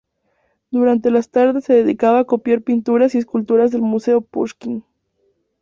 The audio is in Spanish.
Durante las tardes se dedicaba a copiar pinturas y esculturas del Museo Pushkin.